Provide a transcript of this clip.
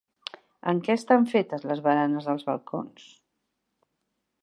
En què estan fetes les baranes dels balcons?